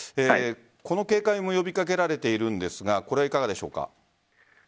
この警戒も呼び掛けられているんですがこれはいかがでしょうか？